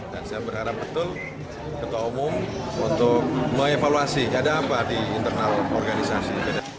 dan saya berharap betul ketua umum untuk me evaluasi ada apa di internal organisasi